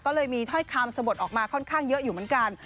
ก็เลยมีถ้อยคำสะบดออกมาค่อนข้างเยอะอยู่เหมือนกัน